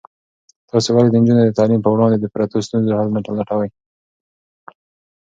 تاسې ولې د نجونو د تعلیم په وړاندې د پرتو ستونزو حل نه لټوئ؟